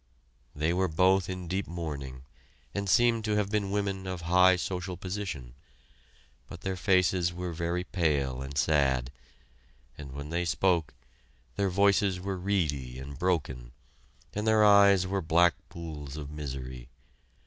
They were both in deep mourning, and seemed to have been women of high social position, but their faces were very pale and sad, and when they spoke their voices were reedy and broken, and their eyes were black pools of misery.